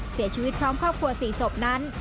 เสียชีวิตพร้อมครอบครัว๔ศพนั้น